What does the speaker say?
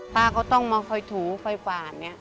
ก็ต้องมาคอยถูคอยฝ่านเนี่ย